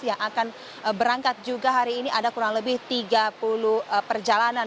yang akan berangkat juga hari ini ada kurang lebih tiga puluh perjalanan